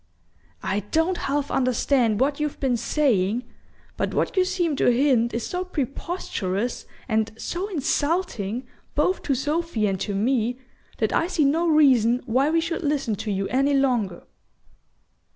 "I don't half understand what you've been saying; but what you seem to hint is so preposterous, and so insulting both to Sophy and to me, that I see no reason why we should listen to you any longer."